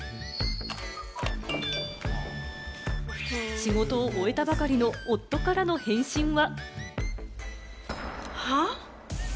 仕事を終えたばかりの夫からの返信は。